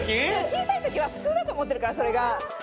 小さいときは普通だと思ってるからそれが。